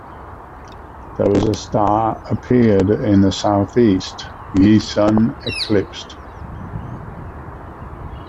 There was a star appeared in the South-east, ye sun eclipsed.